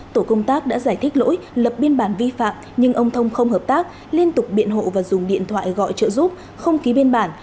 tổ công tác đã giải thích lỗi lập biên bản vi phạm nhưng ông thông không hợp tác liên tục biện hộ và dùng điện thoại gọi trợ giúp không ký biên bản